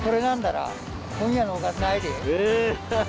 え。